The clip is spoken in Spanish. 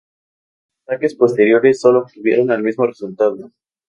Ataques posteriores sólo obtuvieron el mismo resultado.